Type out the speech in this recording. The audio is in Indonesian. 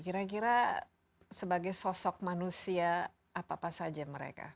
kira kira sebagai sosok manusia apa apa saja mereka